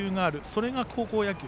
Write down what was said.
それが高校野球。